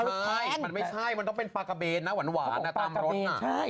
ใช่มันไม่ใช่มันต้องเป็นปลากะเบนนะหวานหวานตามรสน่ะปลากะเบนใช่